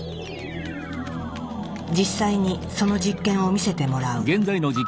実際にその実験を見せてもらう。